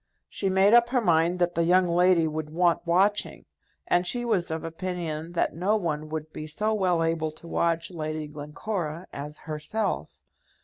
She made up her mind that the young lady would want watching, and she was of opinion that no one would be so well able to watch Lady Glencora as herself.